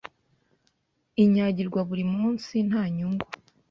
unyagirwa buri munsi ntanyungu